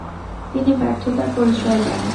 তিনি ব্যর্থতার পরিচয় দেন।